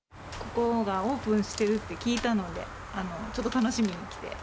ここがオープンしてるって聞いたので、ちょっと楽しみに来て。